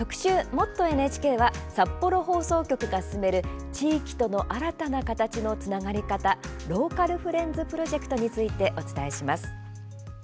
「もっとＮＨＫ」は札幌放送局が進める地域との新たな形のつながり方ローカルフレンズプロジェクトについてお伝えします。